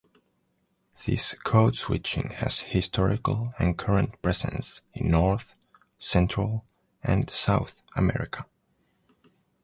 This code-switching has historical and current presence in North, Central and South America.